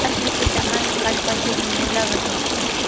Ashnupita mas kallpayuqmi mulaqa.